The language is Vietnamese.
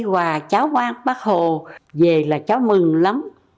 và cháu quang bác hồ về là cháu mừng lắm